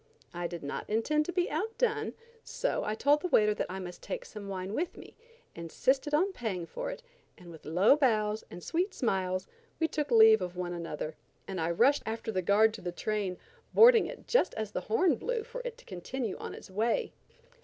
I did not intend to be out done, so I told the waiter that I must take some wine with me, insisted on paying for it, and with low bows and sweet smiles we took leave of one another, and I rushed after the guard to the train, boarding it just as the horn blew for it to continue on its way.